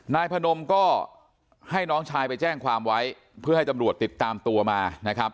นายพนมก็ให้น้องชายไปแจ้งความไว้เพื่อให้ตำรวจติดตามตัวมานะครับ